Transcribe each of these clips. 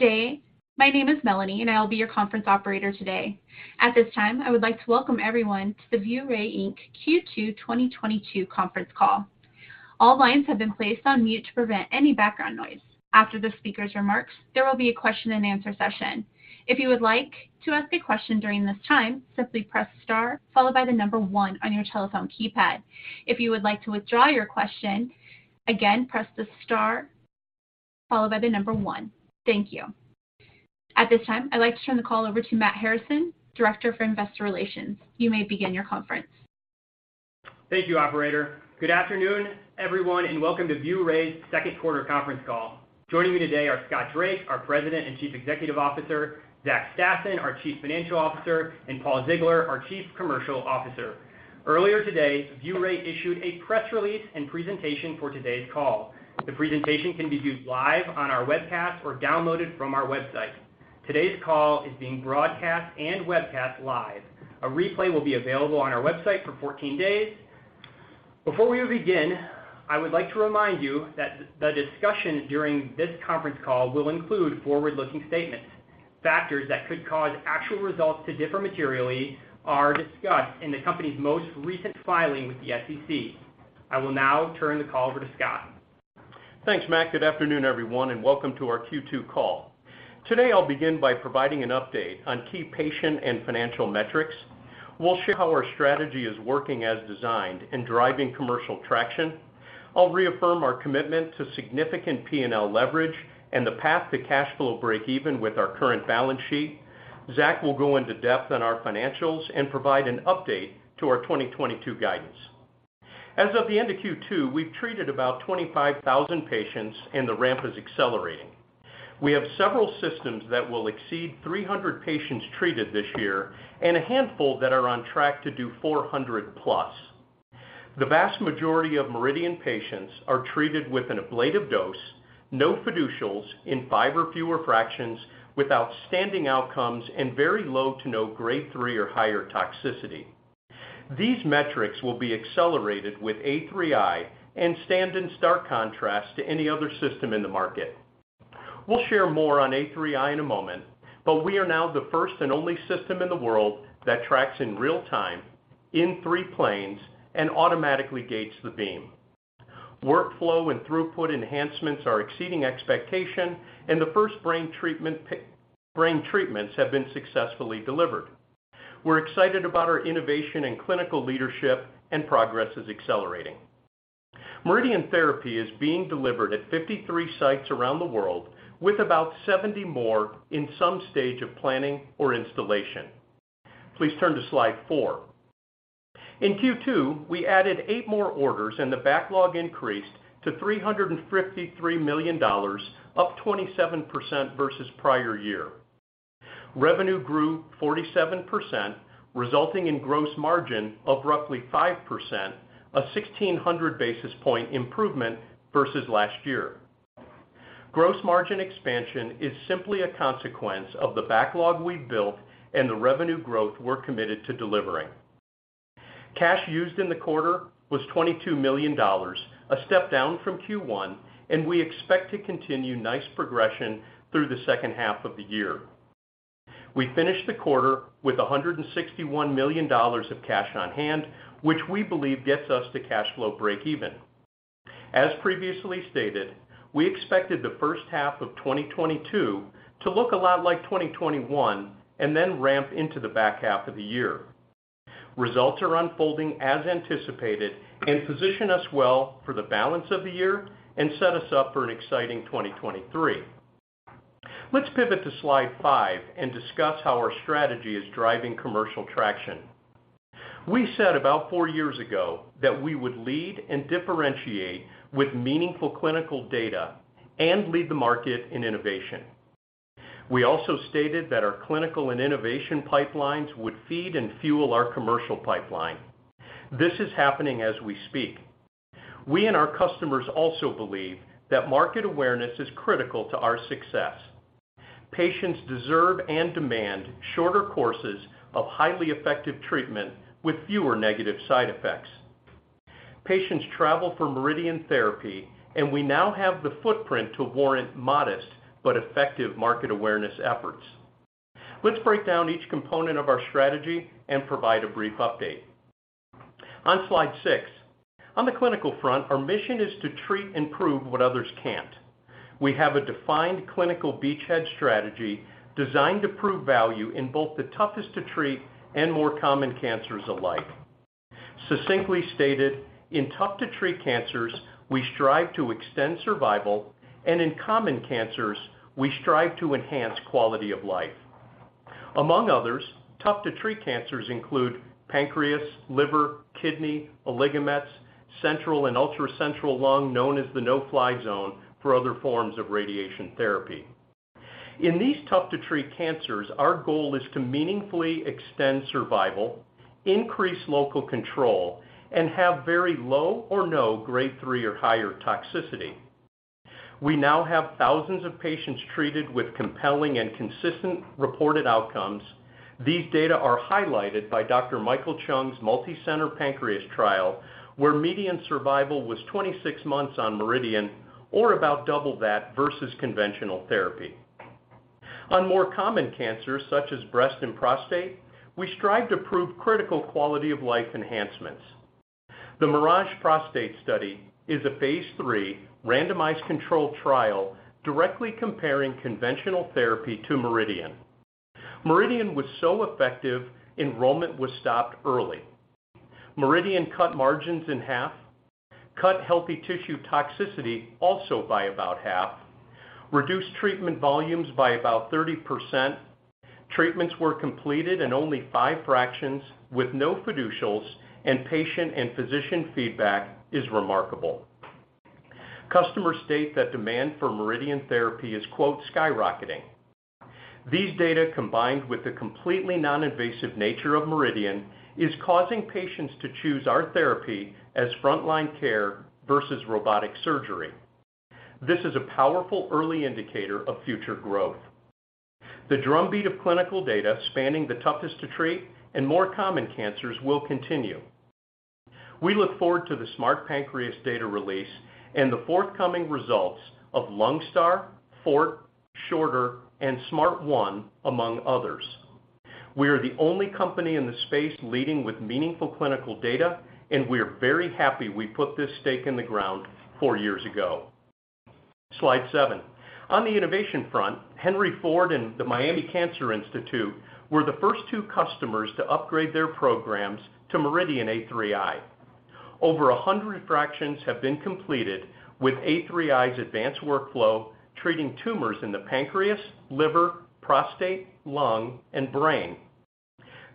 Good day. My name is Melanie, and I'll be your conference operator today. At this time, I would like to welcome everyone to the ViewRay, Inc. Q2 2022 conference call. All lines have been placed on mute to prevent any background noise. After the speaker's remarks, there will be a question-and-answer session. If you would like to ask a question during this time, simply press star followed by the number one on your telephone keypad. If you would like to withdraw your question, again, press the star followed by the number one. Thank you. At this time, I'd like to turn the call over to Matt Harrison, Director for Investor Relations. You may begin your conference. Thank you, operator. Good afternoon, everyone, and welcome to ViewRay's Q2 conference call. Joining me today are Scott Drake, our President and Chief Executive Officer, Zach Stassen, our Chief Financial Officer, and Paul Ziegler, our Chief Commercial Officer. Earlier today, ViewRay issued a press release and presentation for today's call. The presentation can be viewed live on our webcast or downloaded from our website. Today's call is being broadcast and webcast live. A replay will be available on our website for 14 days. Before we begin, I would like to remind you that the discussion during this conference call will include forward-looking statements. Factors that could cause actual results to differ materially are discussed in the company's most recent filing with the SEC. I will now turn the call over to Scott. Thanks, Matt. Good afternoon, everyone, and welcome to our Q2 call. Today, I'll begin by providing an update on key patient and financial metrics. We'll share how our strategy is working as designed and driving commercial traction. I'll reaffirm our commitment to significant P&L leverage and the path to cash flow break even with our current balance sheet. Zach will go into depth on our financials and provide an update to our 2022 guidance. As of the end of Q2, we've treated about 25,000 patients and the ramp is accelerating. We have several systems that will exceed 300 patients treated this year and a handful that are on track to do 400+. The vast majority of MRIdian patients are treated with an ablative dose, no fiducials in five or fewer fractions with outstanding outcomes and very low to no Grade 3 or higher toxicity. These metrics will be accelerated with A3i and stand in stark contrast to any other system in the market. We'll share more on A3i in a moment, but we are now the first and only system in the world that tracks in real-time in three planes and automatically gates the beam. Workflow and throughput enhancements are exceeding expectation, and the first brain treatments have been successfully delivered. We're excited about our innovation and clinical leadership and progress is accelerating. MRIdian therapy is being delivered at 53 sites around the world with about 70 more in some stage of planning or installation. Please turn to Slide 4. In Q2, we added eight more orders and the backlog increased to $353 million, up 27% versus prior year. Revenue grew 47%, resulting in gross margin of roughly 5%, a 1,600 basis point improvement versus last year. Gross margin expansion is simply a consequence of the backlog we've built and the revenue growth we're committed to delivering. Cash used in the quarter was $22 million, a step down from Q1, and we expect to continue nice progression through the second half of the year. We finished the quarter with $161 million of cash on hand, which we believe gets us to cash flow break even. As previously stated, we expected the first half of 2022 to look a lot like 2021 and then ramp into the back half of the year. Results are unfolding as anticipated and position us well for the balance of the year and set us up for an exciting 2023. Let's pivot to Slide 5 and discuss how our strategy is driving commercial traction. We said about four years ago that we would lead and differentiate with meaningful clinical data and lead the market in innovation. We also stated that our clinical and innovation pipelines would feed and fuel our commercial pipeline. This is happening as we speak. We and our customers also believe that market awareness is critical to our success. Patients deserve and demand shorter courses of highly effective treatment with fewer negative side effects. Patients travel for MRIdian therapy, and we now have the footprint to warrant modest but effective market awareness efforts. Let's break down each component of our strategy and provide a brief update. On Slide 6. On the clinical front, our mission is to treat and prove what others can't. We have a defined clinical beachhead strategy designed to prove value in both the toughest to treat and more common cancers alike. Succinctly stated, in tough-to-treat cancers, we strive to extend survival, and in common cancers, we strive to enhance quality of life. Among others, tough-to-treat cancers include pancreas, liver, kidney, oligomets, central and ultra-central lung, known as the no-fly zone for other forms of radiation therapy. In these tough-to-treat cancers, our goal is to meaningfully extend survival, increase local control, and have very low or no Grade 3 or higher toxicity. We now have thousands of patients treated with compelling and consistent reported outcomes. These data are highlighted by Dr. Michael Chuong's multicenter pancreas trial, where median survival was 26 months on MRIdian or about double that versus conventional therapy. On more common cancers, such as breast and prostate, we strive to prove critical quality of life enhancements. The MIRAGE prostate study is a phase III randomized controlled trial directly comparing conventional therapy to MRIdian. MRIdian was so effective, enrollment was stopped early. MRIdian cut margins in half, cut healthy tissue toxicity also by about half, reduced treatment volumes by about 30%. Treatments were completed in only five fractions with no fiducials, and patient and physician feedback is remarkable. Customers state that demand for MRIdian therapy is, quote, "skyrocketing." These data, combined with the completely non-invasive nature of MRIdian, is causing patients to choose our therapy as frontline care versus robotic surgery. This is a powerful early indicator of future growth. The drumbeat of clinical data spanning the toughest to treat and more common cancers will continue. We look forward to the SMART Pancreas data release and the forthcoming results of LUNG-STAR, FORT, SHORTER, and SMART ONE, among others. We are the only company in the space leading with meaningful clinical data, and we are very happy we put this stake in the ground four years ago. Slide 7. On the innovation front, Henry Ford and the Miami Cancer Institute were the first two customers to upgrade their programs to MRIdian A3i. Over 100 fractions have been completed with A3i's advanced workflow, treating tumors in the pancreas, liver, prostate, lung, and brain.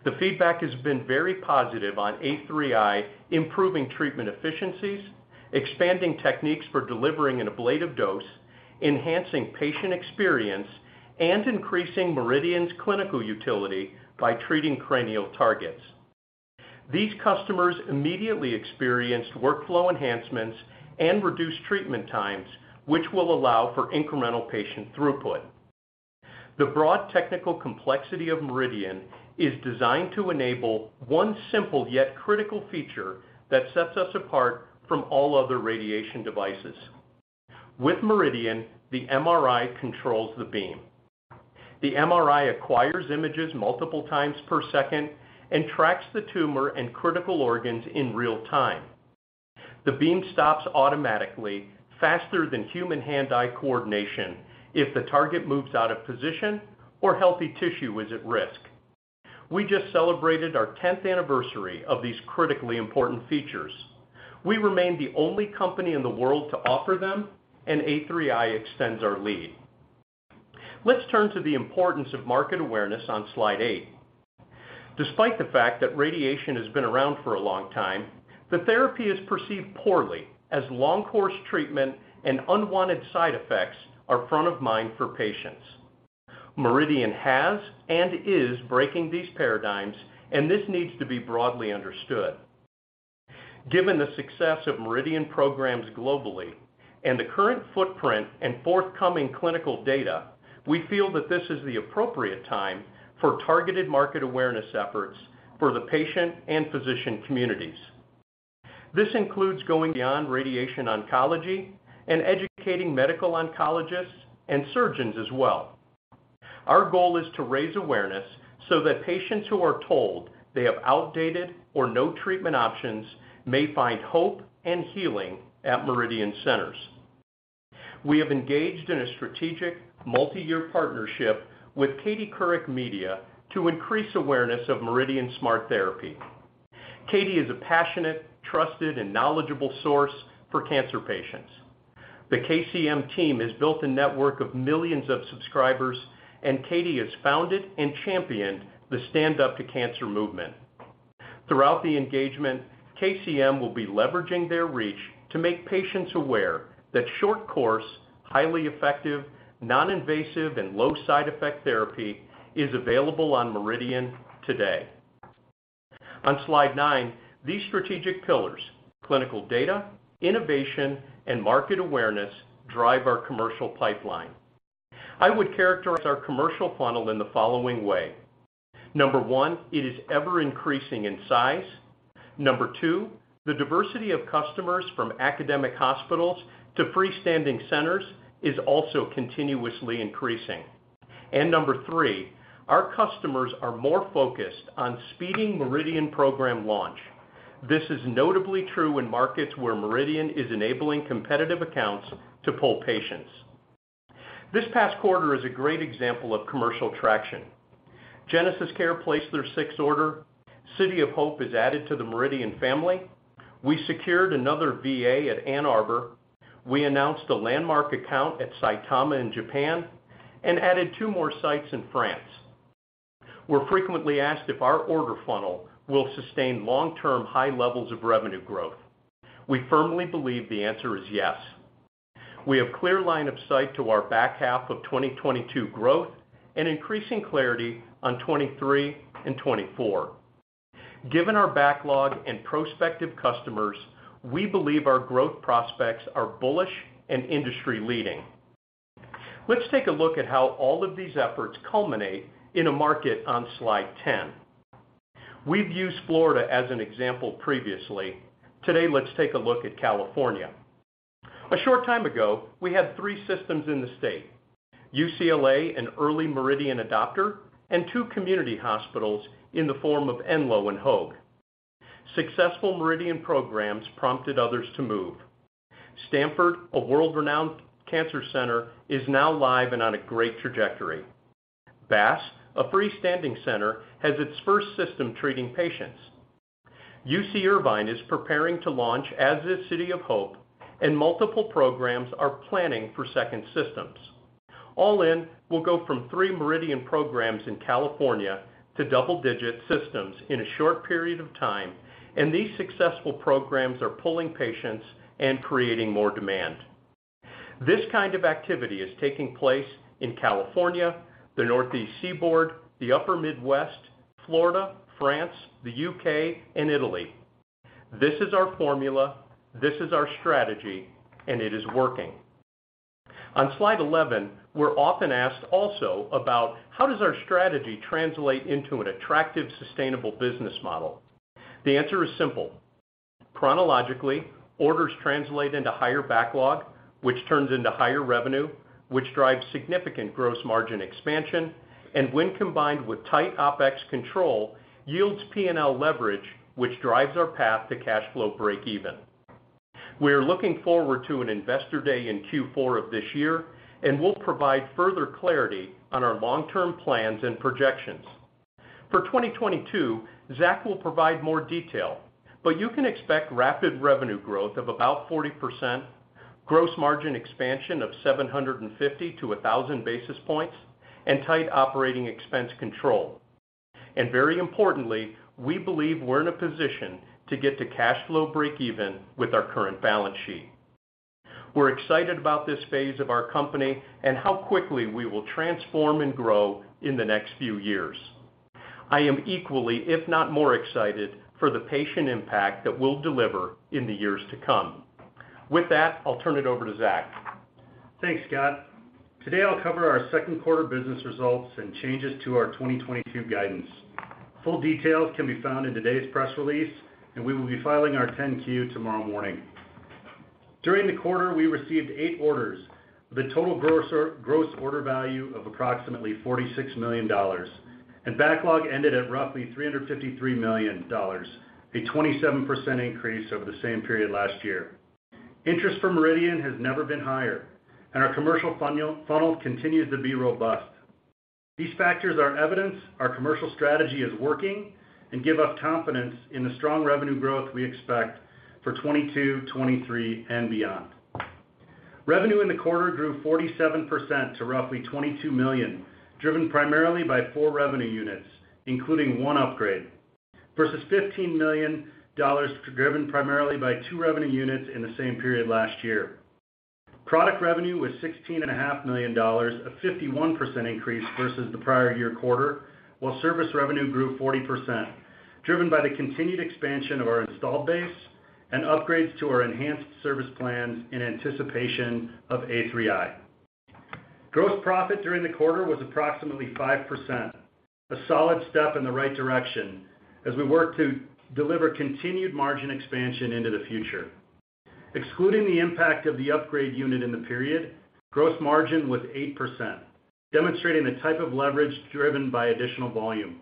The feedback has been very positive on A3i, improving treatment efficiencies, expanding techniques for delivering an ablative dose, enhancing patient experience, and increasing MRIdian's clinical utility by treating cranial targets. These customers immediately experienced workflow enhancements and reduced treatment times, which will allow for incremental patient throughput. The broad technical complexity of MRIdian is designed to enable one simple yet critical feature that sets us apart from all other radiation devices. With MRIdian, the MRI controls the beam. The MRI acquires images multiple times per second and tracks the tumor and critical organs in real time. The beam stops automatically faster than human hand-eye coordination if the target moves out of position or healthy tissue is at risk. We just celebrated our tenth anniversary of these critically important features. We remain the only company in the world to offer them, and A3i extends our lead. Let's turn to the importance of market awareness on Slide 8. Despite the fact that radiation has been around for a long time, the therapy is perceived poorly as long-course treatment and unwanted side effects are front of mind for patients. MRIdian has and is breaking these paradigms, and this needs to be broadly understood. Given the success of MRIdian programs globally and the current footprint and forthcoming clinical data, we feel that this is the appropriate time for targeted market awareness efforts for the patient and physician communities. This includes going beyond radiation oncology and educating medical oncologists and surgeons as well. Our goal is to raise awareness so that patients who are told they have outdated or no treatment options may find hope and healing at MRIdian centers. We have engaged in a strategic multiyear partnership with Katie Couric Media to increase awareness of MRIdian smart therapy. Katie is a passionate, trusted, and knowledgeable source for cancer patients. The KCM team has built a network of millions of subscribers, and Katie has founded and championed the Stand Up To Cancer movement. Throughout the engagement, KCM will be leveraging their reach to make patients aware that short-course, highly effective, non-invasive, and low side effect therapy is available on MRIdian today. On Slide 9, these strategic pillars, clinical data, innovation, and market awareness, drive our commercial pipeline. I would characterize our commercial funnel in the following way. Number one, it is ever-increasing in size. NUmber two, the diversity of customers from academic hospitals to freestanding centers is also continuously increasing. Number three, our customers are more focused on speeding MRIdian program launch. This is notably true in markets where MRIdian is enabling competitive accounts to pull patients. This past quarter is a great example of commercial traction. GenesisCare placed their sixth order. City of Hope is added to the MRIdian family. We secured another VA at Ann Arbor. We announced a landmark account at Saitama in Japan and added two more sites in France. We're frequently asked if our order funnel will sustain long-term high levels of revenue growth. We firmly believe the answer is yes. We have clear line of sight to our back half of 2022 growth and increasing clarity on 2023 and 2024. Given our backlog and prospective customers, we believe our growth prospects are bullish and industry leading. Let's take a look at how all of these efforts culminate in a market on Slide 10. We've used Florida as an example previously. Today, let's take a look at California. A short time ago, we had three systems in the state, UCLA, an early MRIdian adopter, and two community hospitals in the form of Enloe and Hoag. Successful MRIdian programs prompted others to move. Stanford, a world renowned cancer center, is now live and on a great trajectory. BASS, a freestanding center, has its first system treating patients. UC Irvine is preparing to launch as is City of Hope, and multiple programs are planning for second systems. All in, we'll go from three MRIdian programs in California to double-digit systems in a short period of time, and these successful programs are pulling patients and creating more demand. This kind of activity is taking place in California, the Northeast Seaboard, the Upper Midwest, Florida, France, the UK, and Italy. This is our formula, this is our strategy, and it is working. On Slide 11, we're often asked also about how does our strategy translate into an attractive, sustainable business model? The answer is simple. Chronologically, orders translate into higher backlog, which turns into higher revenue, which drives significant gross margin expansion, and when combined with tight OpEx control, yields P&L leverage, which drives our path to cash flow breakeven. We are looking forward to an investor day in Q4 of this year, and we'll provide further clarity on our long-term plans and projections. For 2022, Zach will provide more detail, but you can expect rapid revenue growth of about 40%, gross margin expansion of 750 to 1,000 basis points, and tight operating expense control. Very importantly, we believe we're in a position to get to cash flow breakeven with our current balance sheet. We're excited about this phase of our company and how quickly we will transform and grow in the next few years. I am equally, if not more excited for the patient impact that we'll deliver in the years to come. With that, I'll turn it over to Zach. Thanks, Scott. Today, I'll cover our second quarter business results and changes to our 2022 guidance. Full details can be found in today's press release, and we will be filing our Form 10-Q tomorrow morning. During the quarter, we received eight orders, the total gross order value of approximately $46 million, and backlog ended at roughly $353 million, a 27% increase over the same period last year. Interest for MRIdian has never been higher, and our commercial funnel continues to be robust. These factors are evidence our commercial strategy is working and give us confidence in the strong revenue growth we expect for 2022, 2023, and beyond. Revenue in the quarter grew 47% to roughly $22 million, driven primarily by four revenue units, including one upgrade, versus $15 million driven primarily by two revenue units in the same period last year. Product revenue was $16 and a half million, a 51% increase versus the prior year quarter, while service revenue grew 40%, driven by the continued expansion of our installed base and upgrades to our enhanced service plans in anticipation of A3i. Gross profit during the quarter was approximately 5%, a solid step in the right direction as we work to deliver continued margin expansion into the future. Excluding the impact of the upgrade unit in the period, gross margin was 8%, demonstrating the type of leverage driven by additional volume.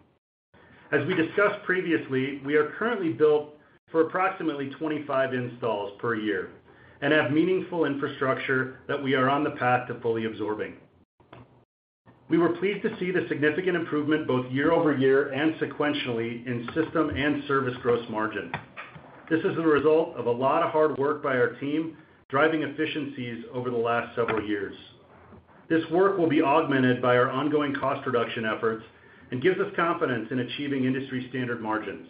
As we discussed previously, we are currently built for approximately 25 installs per year and have meaningful infrastructure that we are on the path to fully absorbing. We were pleased to see the significant improvement both year-over-year and sequentially in system and service gross margin. This is the result of a lot of hard work by our team, driving efficiencies over the last several years. This work will be augmented by our ongoing cost reduction efforts and gives us confidence in achieving industry standard margins.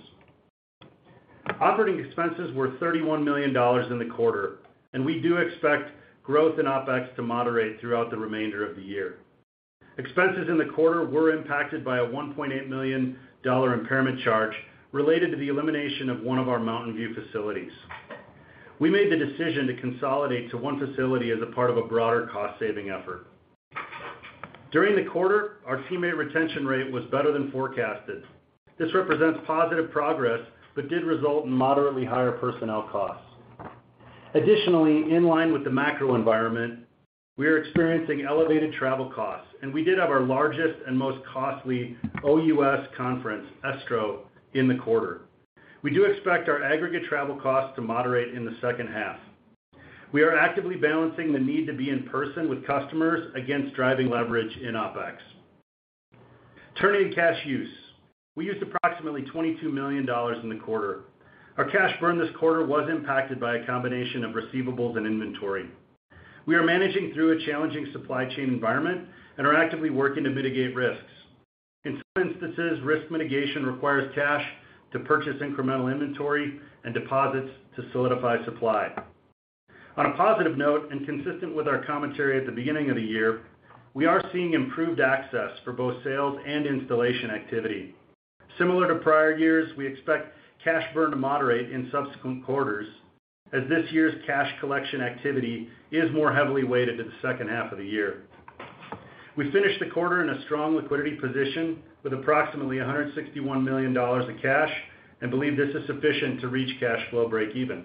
Operating expenses were $31 million in the quarter, and we do expect growth in OpEx to moderate throughout the remainder of the year. Expenses in the quarter were impacted by a $1.8 million impairment charge related to the elimination of one of our Mountain View facilities. We made the decision to consolidate to one facility as part of a broader cost-saving effort. During the quarter, our teammate retention rate was better than forecasted. This represents positive progress, but did result in moderately higher personnel costs. Additionally, in line with the macro environment, we are experiencing elevated travel costs, and we did have our largest and most costly OUS conference, ESTRO, in the quarter. We do expect our aggregate travel costs to moderate in the second half. We are actively balancing the need to be in person with customers against driving leverage in OpEx. Turning to cash use. We used approximately $22 million in the quarter. Our cash burn this quarter was impacted by a combination of receivables and inventory. We are managing through a challenging supply chain environment and are actively working to mitigate risks. In some instances, risk mitigation requires cash to purchase incremental inventory and deposits to solidify supply. On a positive note and consistent with our commentary at the beginning of the year, we are seeing improved access for both sales and installation activity. Similar to prior years, we expect cash burn to moderate in subsequent quarters as this year's cash collection activity is more heavily weighted to the second half of the year. We finished the quarter in a strong liquidity position with approximately $161 million of cash and believe this is sufficient to reach cash flow breakeven.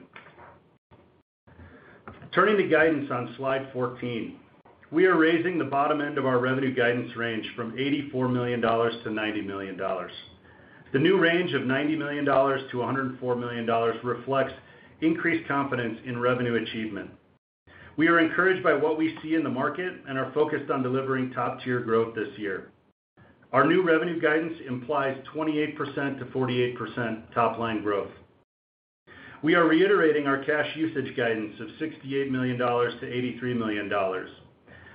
Turning to guidance on Slide 14. We are raising the bottom end of our revenue guidance range from $84 million to $90 million. The new range of $90 million to $104 million reflects increased confidence in revenue achievement. We are encouraged by what we see in the market and are focused on delivering top-tier growth this year. Our new revenue guidance implies 28%-48% top line growth. We are reiterating our cash usage guidance of $68 million-$83 million.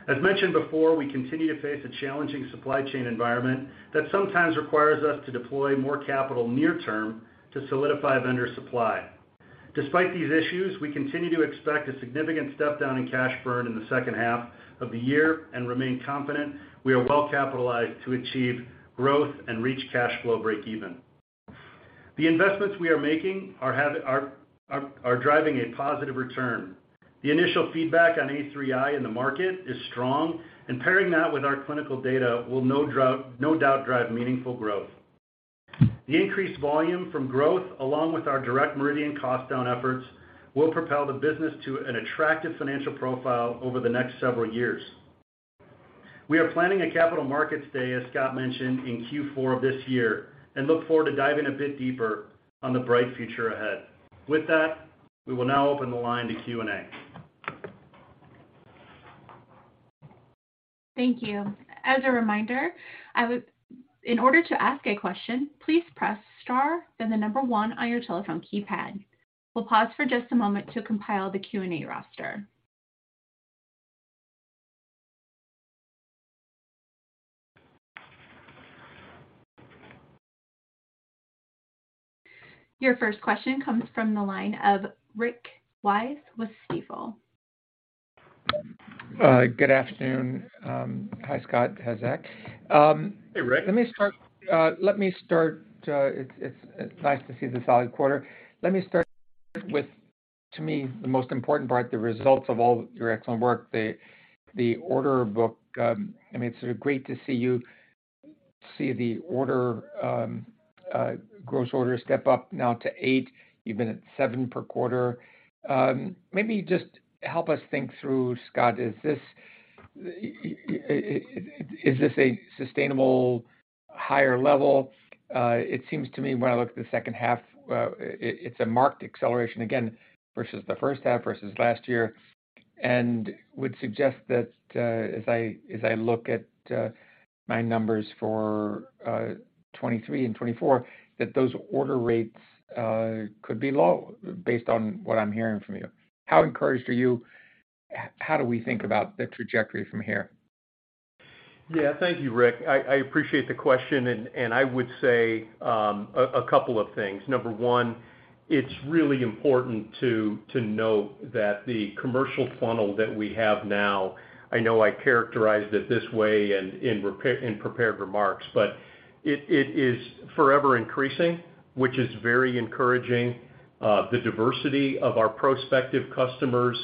As mentioned before, we continue to face a challenging supply chain environment that sometimes requires us to deploy more capital near term to solidify vendor supply. Despite these issues, we continue to expect a significant step down in cash burn in the second half of the year and remain confident we are well capitalized to achieve growth and reach cash flow breakeven. The investments we are making are driving a positive return. The initial feedback on A3i in the market is strong, and pairing that with our clinical data will no doubt drive meaningful growth. The increased volume from growth, along with our direct MRIdian cost down efforts, will propel the business to an attractive financial profile over the next several years. We are planning a capital markets day, as Scott mentioned, in Q4 of this year, and look forward to diving a bit deeper on the bright future ahead. With that, we will now open the line to Q&A. Thank you. As a reminder, in order to ask a question, please press star then the number one on your telephone keypad. We'll pause for just a moment to compile the Q&A roster. Your first question comes from the line of Rick Wise with Stifel. Good afternoon. Hi, Scott. Hi, Zach. Hey, Rick. Let me start. It's nice to see the solid quarter. Let me start with, to me, the most important part, the results of all your excellent work, the order book. It's great to see the gross order step up now to eight. You've been at seven per quarter. Maybe just help us think through, Scott, is this a sustainable higher level? It seems to me when I look at the second half, it's a marked acceleration again versus the first half, versus last year. It would suggest that, as I look at my numbers for 2023 and 2024, that those order rates could be low based on what I'm hearing from you. How encouraged are you? How do we think about the trajectory from here? Yes. Thank you, Rick. I appreciate the question, and I would say a couple of things. Number one, it's really important to note that the commercial funnel that we have now. I know I characterized it this way in prepared remarks, but it is ever increasing, which is very encouraging. The diversity of our prospective customers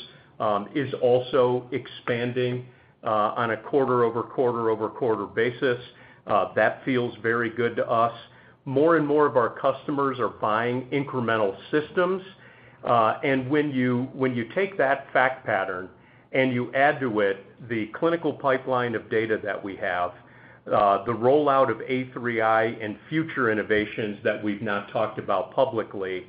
is also expanding on a quarter-over-quarter-over-quarter basis. That feels very good to us. More and more of our customers are buying incremental systems. When you take that fact pattern and you add to it the clinical pipeline of data that we have, the rollout of A3i and future innovations that we've not talked about publicly,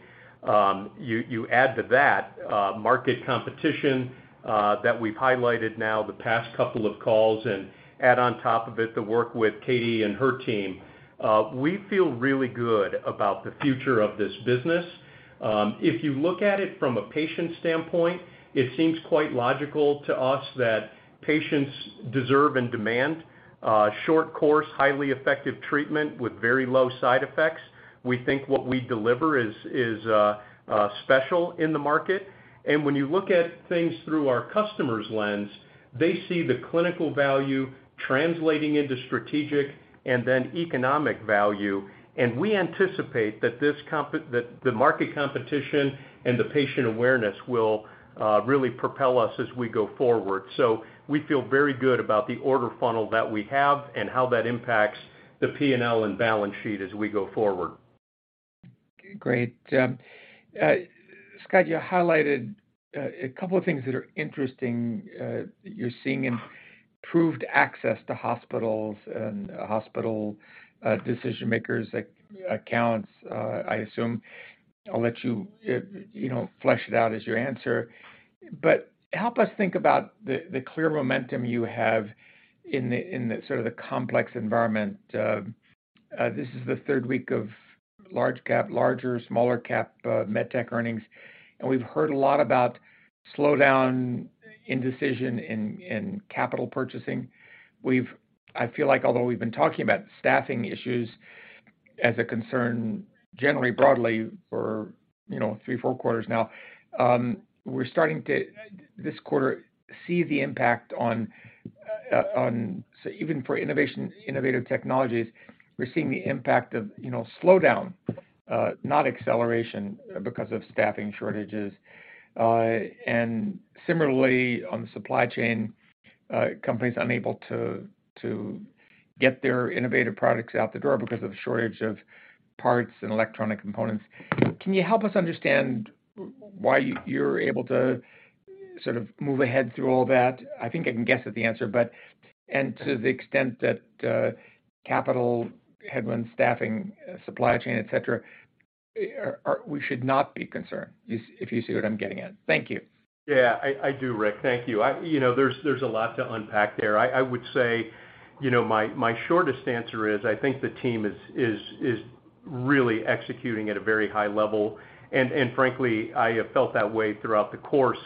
you add to that market competition that we've highlighted now the past couple of calls and add on top of it the work with Katie and her team, we feel really good about the future of this business. If you look at it from a patient standpoint, it seems quite logical to us that patients deserve and demand short course, highly effective treatment with very low side effects. We think what we deliver is special in the market. When you look at things through our customers' lens, they see the clinical value translating into strategic and then economic value. We anticipate that the market competition and the patient awareness will really propel us as we go forward. We feel very good about the order funnel that we have and how that impacts the P&L and balance sheet as we go forward. Great. Scott, you highlighted a couple of things that are interesting, you're seeing improved access to hospitals and hospital decision makers accounts, I assume. I'll let flesh it out as you answer, but help us think about the clear momentum you have in the complex environment. This is the third week of large cap, larger, smaller cap med tech earnings, and we've heard a lot about slowdown indecision in capital purchasing. I feel like although we've been talking about staffing issues as a concern generally broadly for three or four quarters now, we're starting to, this quarter, see the impact even for innovative technologies, we're seeing the impact of slowdown, not acceleration because of staffing shortages. Similarly, on the supply chain, companies unable to get their innovative products out the door because of the shortage of parts and electronic components. Can you help us understand why you're able to move ahead through all that? I think I can guess at the answer, but to the extent that capital headwinds, staffing, supply chain, etc., we should not be concerned, if you see what I'm getting at. Thank you. Yes, I do, Rick. Thank you. There's a lot to unpack there. I would say, my shortest answer is, I think the team is really executing at a very high level. Frankly, I have felt that way throughout the course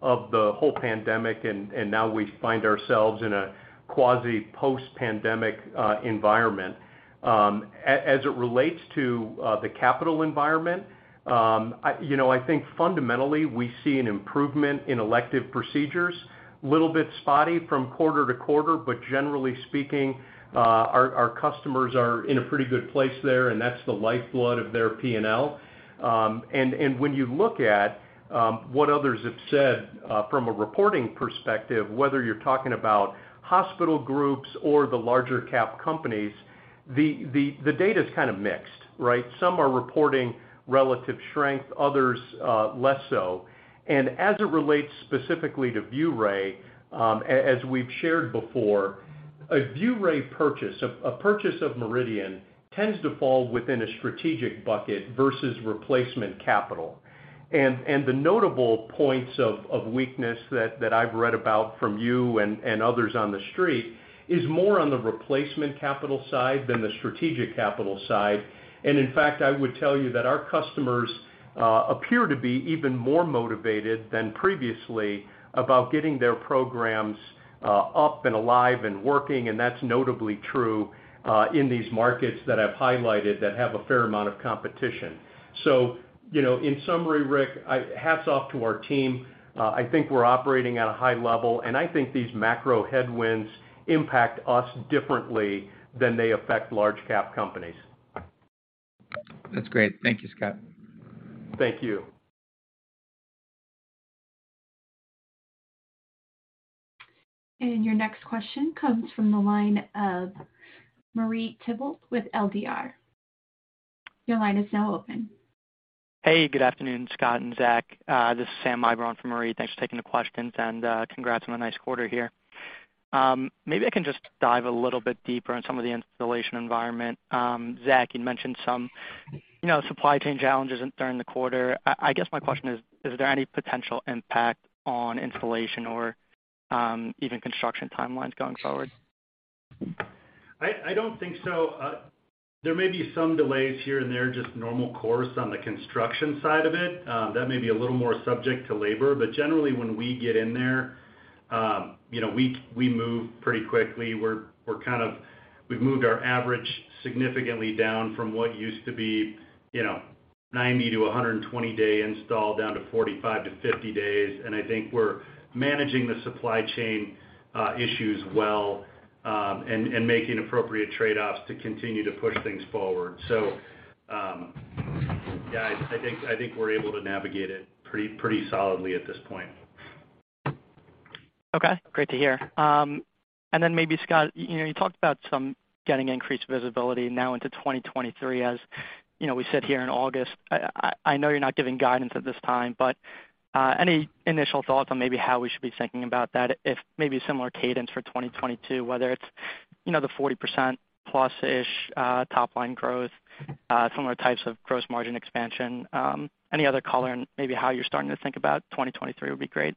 of the whole pandemic, and now we find ourselves in a quasi post-pandemic environment. As it relates to the capital environment, I think fundamentally, we see an improvement in elective procedures, little bit spotty from quarter-to-quarter, but generally speaking, our customers are in a pretty good place there, and that's the lifeblood of their P&L. When you look at what others have said from a reporting perspective, whether you're talking about hospital groups or the larger cap companies, the data is mixed. Some are reporting relative strength, others less so. As it relates specifically to ViewRay, as we've shared before, a ViewRay purchase, a purchase of MRIdian tends to fall within a strategic bucket versus replacement capital. The notable points of weakness that I've read about from you and others on The Street is more on the replacement capital side than the strategic capital side. In fact, I would tell you that our customers appear to be even more motivated than previously about getting their programs up and alive and working, and that's notably true in these markets that I've highlighted that have a fair amount of competition. In summary, Rick, hats off to our team. I think we're operating at a high level, and I think these macro headwinds impact us differently than they affect large cap companies. That's great. Thank you, Scott. Thank you. Your next question comes from the line of Marie Thibault with RBR. Your line is now open. Hey, good afternoon, Scott and Zach. This is Sam Ibra for Marie. Thanks for taking the questions, and congrats on a nice quarter here. Maybe I can just dive a little bit deeper on some of the installation environment. Zach, you mentioned some, supply chain challenges during the quarter. I guess my question is there any potential impact on installation or even construction timelines going forward? I don't think so. There may be some delays here and there, just normal course on the construction side of it. That may be a little more subject to labor. Generally, when we get in there, we move pretty quickly. We've moved our average significantly down from what used to be, 90- to 120-day install down to 45- to 50 days. I think we're managing the supply chain issues well, and making appropriate trade-offs to continue to push things forward. Yes, I think we're able to navigate it pretty solidly at this point. Okay, great to hear. Maybe Scott, you talked about some getting increased visibility now into 2023, as we sit here in August. I know you're not giving guidance at this time, but any initial thoughts on maybe how we should be thinking about that if maybe similar cadence for 2022, whether it's the 40% plus-ish top line growth, similar types of gross margin expansion, any other color and maybe how you're starting to think about 2023 would be great.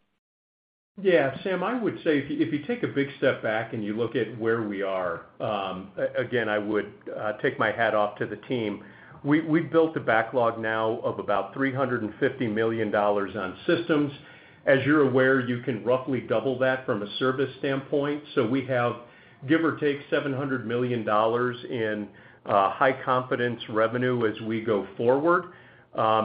Yes. Sam, I would say if you take a big step back and you look at where we are, again, I would take my hat off to the team. We built a backlog now of about $350 million on systems. As you're aware, you can roughly double that from a service standpoint. We have, give or take, $700 million in high confidence revenue as we go forward.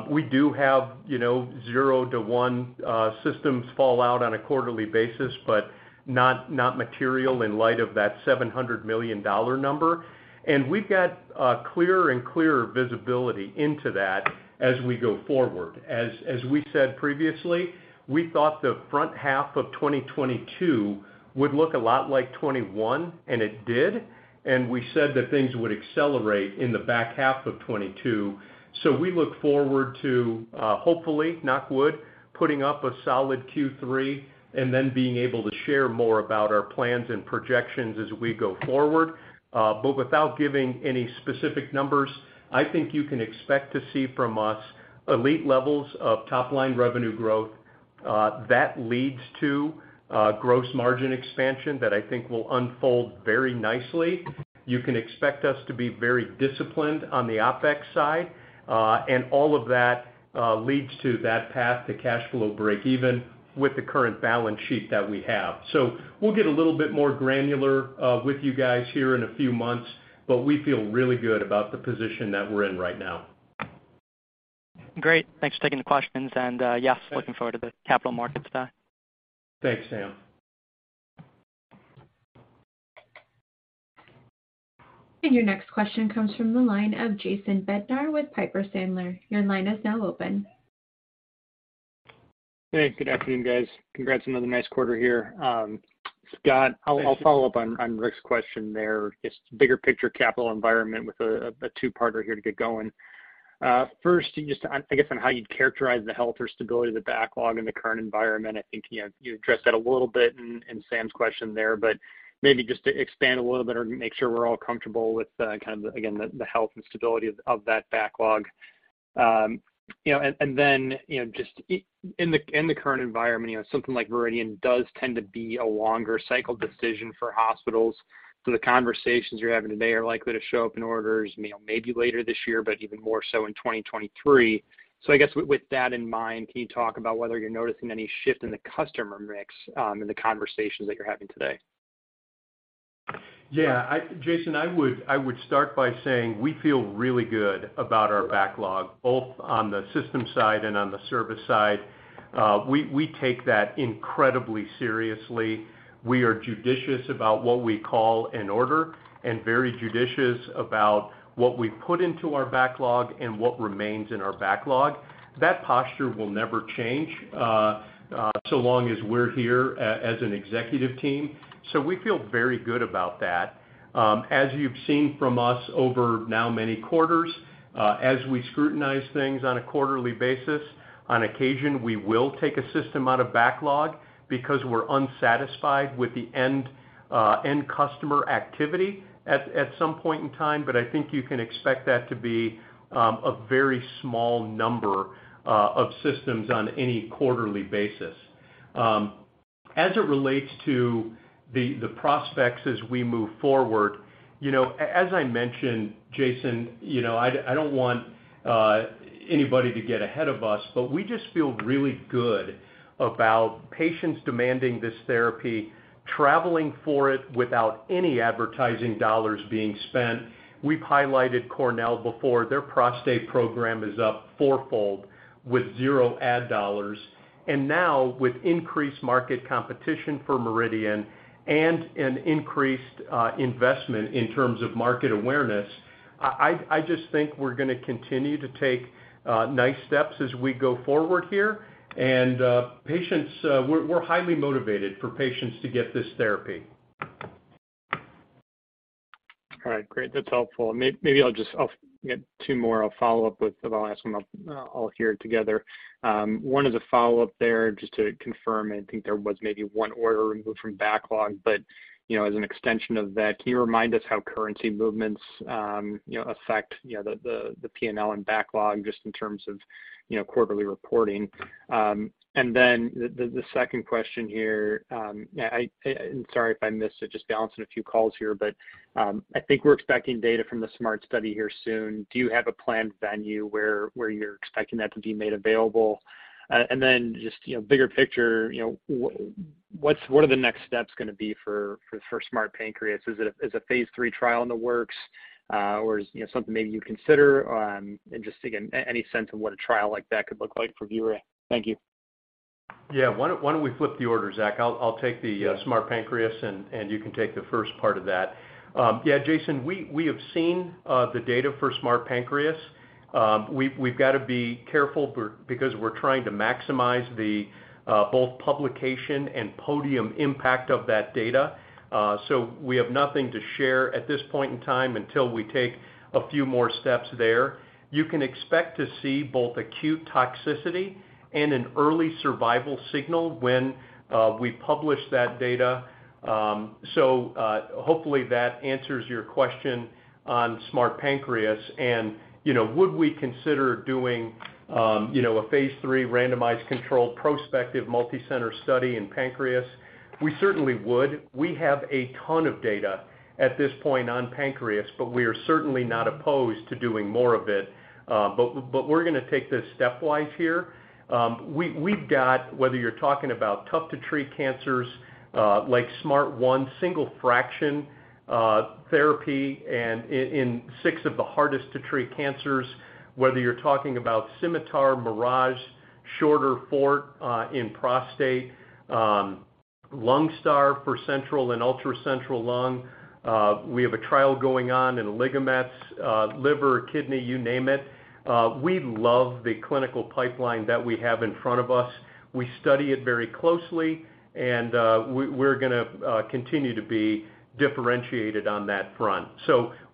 We do have, zero to one systems fall out on a quarterly basis, but not material in light of that $700 million number. We've got a clearer and clearer visibility into that as we go forward. As we said previously, we thought the front half of 2022 would look a lot like 2021, and it did. We said that things would accelerate in the back half of 2022. We look forward to hopefully knock wood putting up a solid Q3, and then being able to share more about our plans and projections as we go forward. But without giving any specific numbers, I think you can expect to see from us elite levels of top line revenue growth that leads to gross margin expansion that I think will unfold very nicely. You can expect us to be very disciplined on the OpEx side, and all of that leads to that path to cash flow break even with the current balance sheet that we have. We'll get a little bit more granular with you guys here in a few months, but we feel really good about the position that we're in right now. Great. Thanks for taking the questions. Yes, looking forward to the capital markets day. Thanks, Sam. Your next question comes from the line of Jason Bednar with Piper Sandler. Your line is now open. Hey, good afternoon, guys. Congrats on another nice quarter here. Scott, I'll follow up on Rick's question there, just bigger picture capital environment with a two-parter here to get going. First, just, I guess, on how you'd characterize the health or stability of the backlog in the current environment. I think you addressed that a little bit in Sam's question there, but maybe just to expand a little bit or make sure we're all comfortable with again, the health and stability of that backlog. Then, just in the current environment, something like Varian does tend to be a longer cycle decision for hospitals. The conversations you're having today are likely to show up in orders, maybe later this year, but even more so in 2023. I guess with that in mind, can you talk about whether you're noticing any shift in the customer mix in the conversations that you're having today? Jason, I would start by saying we feel really good about our backlog, both on the system side and on the service side. We take that incredibly seriously. We are judicious about what we call an order and very judicious about what we put into our backlog and what remains in our backlog. That posture will never change, so long as we're here as an executive team. We feel very good about that. As you've seen from us over now many quarters, as we scrutinize things on a quarterly basis, on occasion, we will take a system out of backlog because we're unsatisfied with the end customer activity at some point in time. I think you can expect that to be a very small number of systems on any quarterly basis. As it relates to the prospects as we move forward, as I mentioned, Jason, I don't want anybody to get ahead of us, but we just feel really good about patients demanding this therapy, traveling for it without any advertising dollars being spent. We've highlighted Cornell before. Their prostate program is up fourfold with zero ad dollars. Now with increased market competition for MRIdian and an increased investment in terms of market awareness, I just think we're going to continue to take nice steps as we go forward here. Patients, we're highly motivated for patients to get this therapy. All right. Great. That's helpful. Maybe I'll just get two more. I'll follow up with the last one. I'll hear it together. One is a follow-up there just to confirm. I think there was maybe one order removed from backlog, but as an extension of that, can you remind us how currency movements affect the P&L and backlog just in terms of quarterly reporting? Then, the second question here. Sorry if I missed it, just balancing a few calls here, but I think we're expecting data from the SMART study here soon. Do you have a planned venue where you're expecting that to be made available? Just bigger picture, what are the next steps going to be for SMART Pancreas? Is it a phase III trial in the works, or is something maybe you'd consider, and just, again, any sense of what a trial like that could look like for ViewRay? Thank you. Yes. Why don't we flip the order, Zach? I'll take the SMART Pancreas, and you can take the first part of that. Jason, we have seen the data for SMART Pancreas. We've got to be careful because we're trying to maximize both publication and podium impact of that data. We have nothing to share at this point in time until we take a few more steps there. You can expect to see both acute toxicity and an early survival signal when we publish that data. Hopefully that answers your question on SMART Pancreas. Would we consider doing a phase III randomized controlled prospective multicenter study in pancreas? We certainly would. We have a ton of data at this point on pancreas, but we are certainly not opposed to doing more of it. We're going to take this step-wise here. We've got, whether you're talking about tough-to-treat cancers, like SMART ONE, single fraction therapy in six of the hardest to treat cancers, whether you're talking about SCIMITAR, MIRAGE, SHORTER FORT, in prostate, LUNG-STAR for central and ultra-central lung. We have a trial going on in oligomets, liver, kidney, you name it. We love the clinical pipeline that we have in front of us. We study it very closely, and we're going to continue to be differentiated on that front.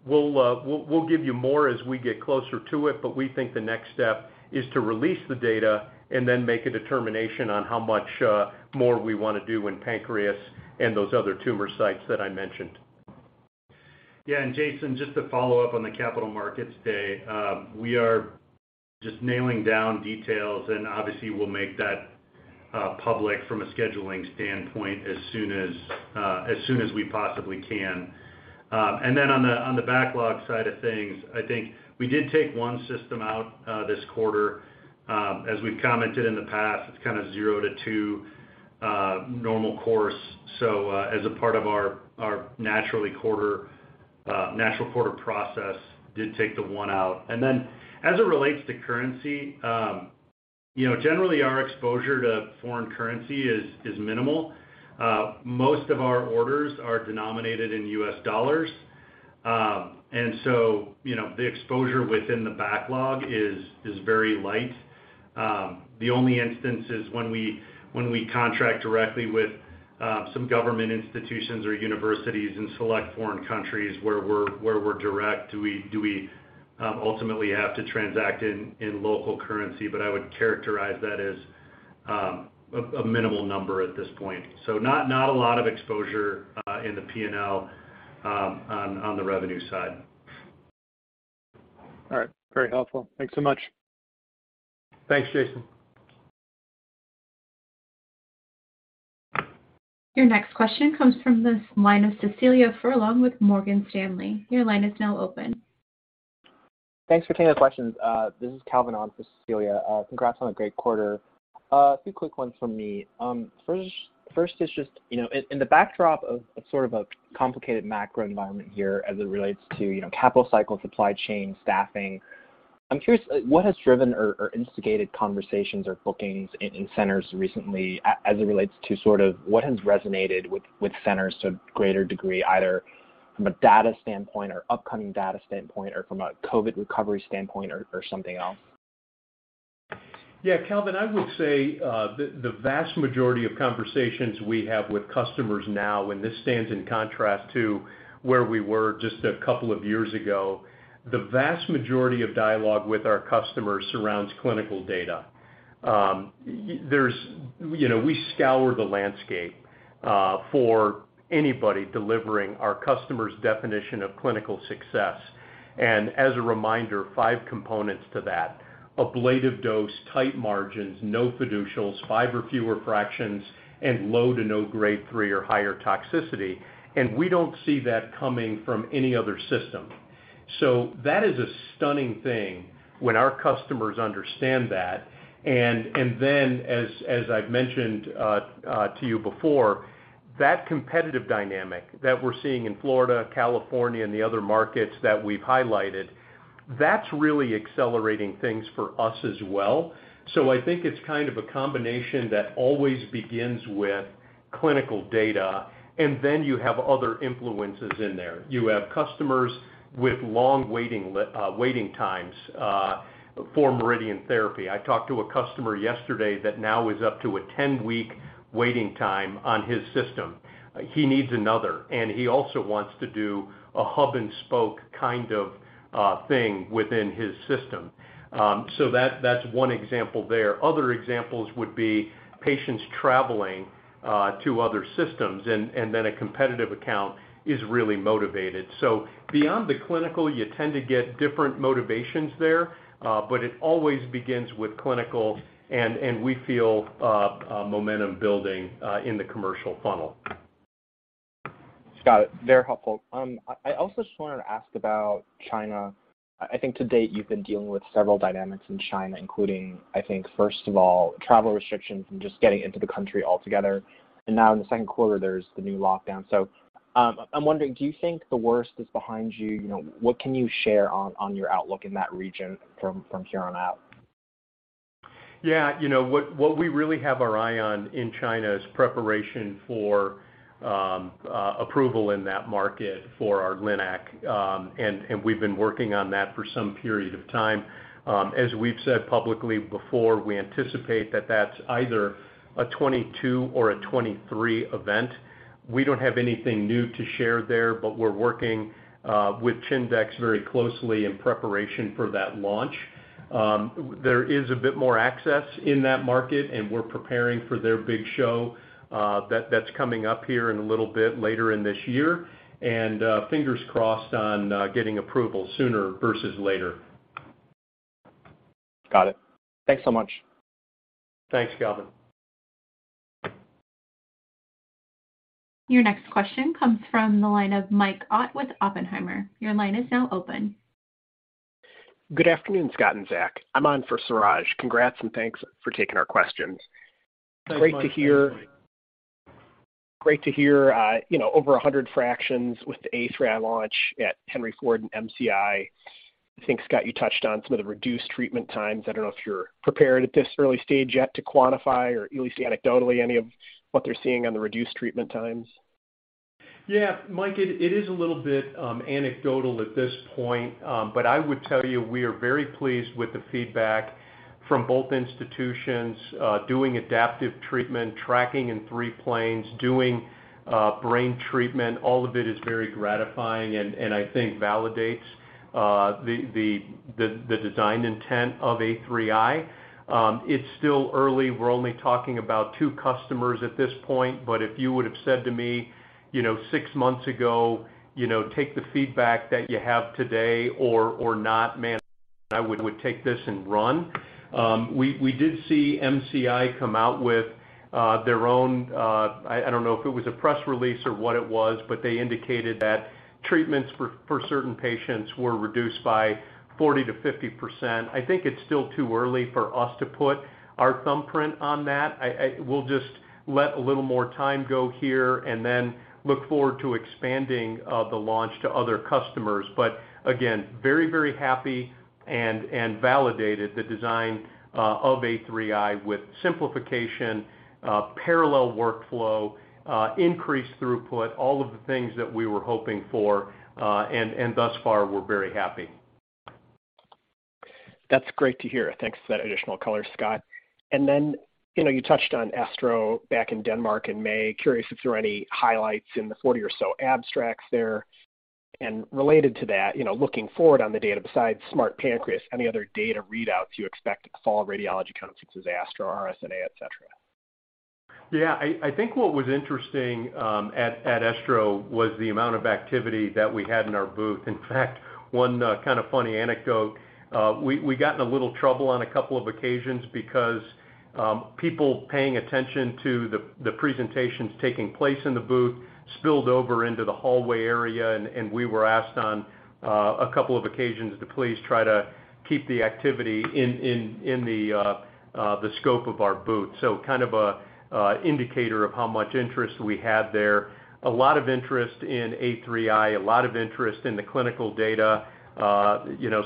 We'll give you more as we get closer to it, but we think the next step is to release the data and then make a determination on how much more we want to do in pancreas and those other tumor sites that I mentioned. Yes. Jason, just to follow up on the capital markets day, we are just nailing down details, and obviously we'll make that public from a scheduling standpoint as soon as we possibly can. Then on the backlog side of things, I think we did take one system out this quarter. As we've commented in the past, it's zero to two normal course. As a part of our naturally quarter National Porter process did take the one out. As it relates to currency, generally our exposure to foreign currency is minimal. Most of our orders are denominated in U.S. dollars. The exposure within the backlog is very light. The only instance is when we contract directly with some government institutions or universities in select foreign countries where we're direct, do we ultimately have to transact in local currency. I would characterize that as a minimal number at this point. Not a lot of exposure in the P&L on the revenue side. All right. Very helpful. Thanks so much. Thanks, Jason. Your next question comes from the line of Cecilia Furlong with Morgan Stanley. Your line is now open. Thanks for taking the questions. This is Calvin on for Cecilia. Congrats on a great quarter. Two quick ones from me. First is just, in the backdrop of a complicated macro environment here as it relates to capital cycle, supply chain, and staffing. I'm curious what has driven or instigated conversations or bookings in centers recently as it relates to what has resonated with centers to a greater degree, either from a data standpoint or upcoming data standpoint or from a COVID recovery standpoint or something else? Yes, Calvin, I would say, the vast majority of conversations we have with customers now, and this stands in contrast to where we were just a couple of years ago, the vast majority of dialogue with our customers surrounds clinical data. We scour the landscape, for anybody delivering our customer's definition of clinical success. As a reminder, five components to that: ablative dose, tight margins, no fiducials, five or fewer fractions, and low to no grade three or higher toxicity. We don't see that coming from any other system. That is a stunning thing when our customers understand that. Then as I've mentioned to you before, that competitive dynamic that we're seeing in Florida, California, and the other markets that we've highlighted, that's really accelerating things for us as well. I think it's a combination that always begins with clinical data, and then you have other influences in there. You have customers with long waiting times for MRIdian therapy. I talked to a customer yesterday that now is up to a 10-week waiting time on his system. He needs another, and he also wants to do a hub and spoke thing within his system. That's one example there. Other examples would be patients traveling to other systems and then a competitive account is really motivated. Beyond the clinical, you tend to get different motivations there, but it always begins with clinical and we feel momentum building in the commercial funnel. Got it. Very helpful. I also just wanted to ask about China. I think to date you've been dealing with several dynamics in China, including, I think first of all, travel restrictions and just getting into the country altogether. Now in the second quarter there's the new lockdown. I'm wondering, do you think the worst is behind you? What can you share on your outlook in that region from here on out? Yes. What we really have our eye on in China is preparation for approval in that market for our LINAC. We've been working on that for some period of time. As we've said publicly before, we anticipate that that's either a 2022 or a 2023 event. We don't have anything new to share there, but we're working with Chindex very closely in preparation for that launch. There is a bit more access in that market, and we're preparing for their big show that's coming up here in a little bit later in this year. Fingers crossed on getting approval sooner versus later. Got it. Thanks so much. Thanks, Calvin. Your next question comes from the line of Mike Ott with Oppenheimer. Your line is now open. Good afternoon, Scott and Zach. I'm on for Suraj. Congrats and thanks for taking our questions. Thanks, Mike. Great to hear over 100 fractions with the A3i launch at Henry Ford and MCI. I think, Scott, you touched on some of the reduced treatment times. I don't know if you're prepared at this early stage yet to quantify or at least anecdotally any of what they're seeing on the reduced treatment times. Yes, Mike, it is a little bit anecdotal at this point. I would tell you we are very pleased with the feedback from both institutions doing adaptive treatment, tracking in three planes, doing brain treatment. All of it is very gratifying and I think validates the design intent of A3i. It's still early. We're only talking about two customers at this point, but if you would've said to me, six months ago, take the feedback that you have today or not, man, I would take this and run. We did see MCI come out with their own, I don't know if it was a press release or what it was, but they indicated that treatments for certain patients were reduced by 40%-50%. I think it's still too early for us to put our thumbprint on that. We'll just let a little more time go here and then look forward to expanding the launch to other customers. Again, very, very happy and validated the design of A3i with simplification, parallel workflow, increased throughput, all of the things that we were hoping for, and thus far, we're very happy. That's great to hear. Thanks for that additional color, Scott. Then, you touched on ESTRO back in Denmark in May. Curious if there are any highlights in the 40 or so abstracts there. Related to that, looking forward on the data besides SMART Pancreas, any other data readouts you expect at fall radiology conferences, ESTRO, RSNA, etc.? Yes. I think what was interesting at ESTRO was the amount of activity that we had in our booth. In fact, one funny anecdote, we got in a little trouble on a couple of occasions because people paying attention to the presentations taking place in the booth spilled over into the hallway area, and we were asked on a couple of occasions to please try to keep the activity in the scope of our booth. An indicator of how much interest we had there. A lot of interest in A3i, a lot of interest in the clinical data,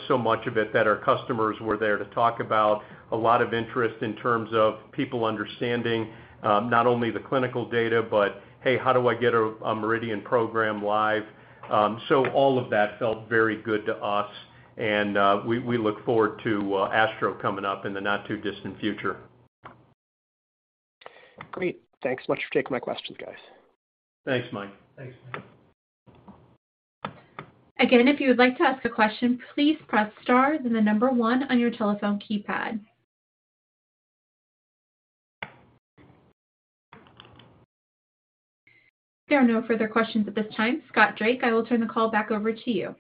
so much of it that our customers were there to talk about. A lot of interest in terms of people understanding not only the clinical data, but "Hey, how do I get a MRIdian program live?" All of that felt very good to us and we look forward to ESTRO coming up in the not too distant future. Great. Thanks so much for taking my questions, guys. Thanks, Mike. Thanks, Mike. Again, if you would like to ask a question, please press star then the number one on your telephone keypad. There are no further questions at this time. Scott Drake, I will turn the call back over to you.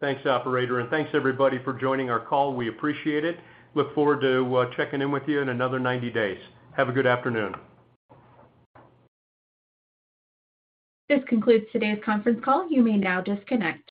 Thanks, operator, and thanks everybody for joining our call. We appreciate it. Look forward to checking in with you in another 90 days. Have a good afternoon. This concludes today's conference call. You may now disconnect.